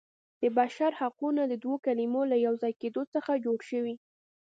د بشر حقونه د دوو کلمو له یو ځای کیدو څخه جوړ شوي.